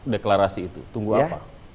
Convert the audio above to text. deklarasi itu tunggu apa